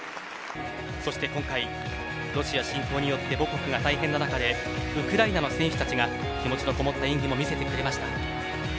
そして今回、ロシア侵攻で母国が大変な中でウクライナの選手たちが気持ちのこもった演技を見せてくれました。